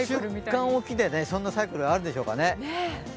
１週間おきでそんなサイクルあるんでしょうかね。